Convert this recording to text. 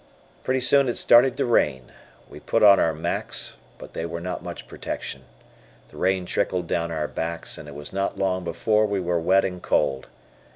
Pretty soon it started to rain. We put on our "macks," but they were not much protection. The rain trickled down our backs, and it was not long before we were wet and cold.